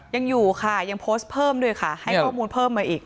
ยังอยู่ค่ะยังโพสต์เพิ่มด้วยค่ะให้ข้อมูลเพิ่มมาอีก